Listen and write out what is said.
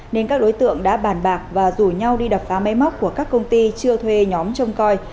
nên các đối tượng đã bàn bạc và rủ nhau đi đập phá máy móc của các công ty chưa thuê nhóm trông coi